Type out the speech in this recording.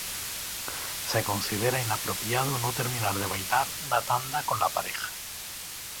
Se considera inapropiado no terminar de bailar una tanda con la pareja.